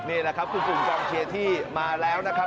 นี่แหละครับคุณภูมิกรรมเชียร์ที่มาแล้วนะครับ